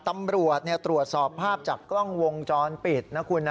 ตำรวจตรวจสอบภาพจากกล้องวงจรปิดนะคุณนะ